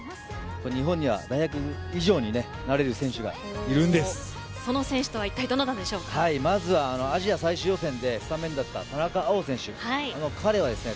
日本には代役以上になれるその選手とはまずはアジア最終予選でスタメンだった田中碧選手ですね。